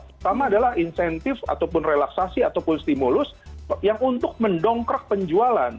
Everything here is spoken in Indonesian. pertama adalah insentif ataupun relaksasi ataupun stimulus yang untuk mendongkrak penjualan